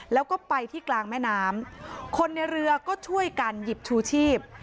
แล้วก็ไปที่กลางแม่น้ำคนในเรือก็ช่วยกันหยิบชูชีพ